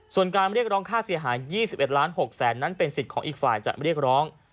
ส่วนการเรียกร้องค่าเสียหาย๒๑ล้าน๖แสนนั้นเป็นสิทธิ์ของอีกฝ่ายจะเรียกร้อง